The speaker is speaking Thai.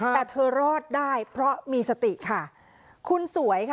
แต่เธอรอดได้เพราะมีสติค่ะคุณสวยค่ะ